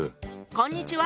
こんにちは。